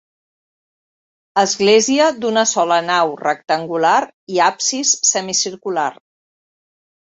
Església d'una sola nau rectangular i absis semicircular.